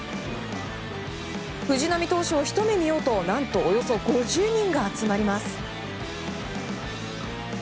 藤浪投手をひと目見ようと何とおよそ５０人が集まります。